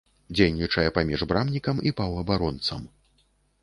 Дзейнічае паміж брамнікам і паўабаронцам.